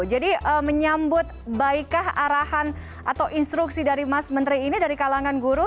jadi menyambut baikkah arahan atau instruksi dari mas menteri ini dari kalangan guru